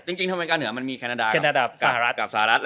จริงเท่าไหร่มันมีแคนได้กับสหรัฐ